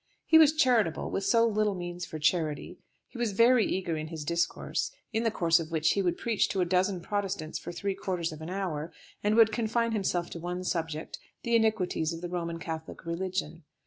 He was charitable, with so little means for charity; he was very eager in his discourses, in the course of which he would preach to a dozen Protestants for three quarters of an hour, and would confine himself to one subject, the iniquities of the Roman Catholic religion.